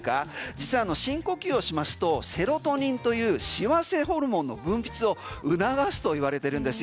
実は深呼吸をしますとセロトニンという幸せホルモンの分泌を促すと言われてるんです。